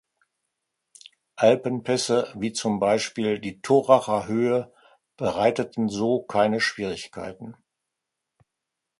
Alpenpässe wie zum Beispiel die Turracher Höhe bereiteten so keine Schwierigkeiten.